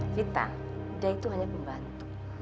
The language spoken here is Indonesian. vita dia itu hanya pembantu